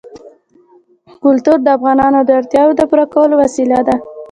کلتور د افغانانو د اړتیاوو د پوره کولو وسیله ده.